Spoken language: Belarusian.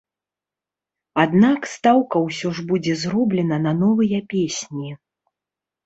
Аднак, стаўка ўсё ж будзе зроблена на новыя песні.